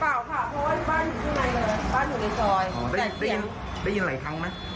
ได้ยินหลายครั้งไหม